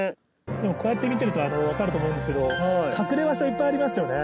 でもこうやって見てると分かると思うんですけど隠れ場所いっぱいありますよね。